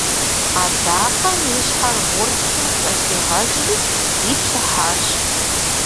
Адакъэм и щхьэр гъурцым къыхигъэжри зиплъыхьащ.